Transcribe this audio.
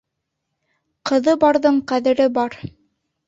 Ҡыҙы барҙың ҡәҙере бар.